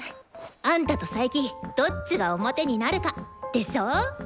あんたと佐伯どっちが表になるかでしょ？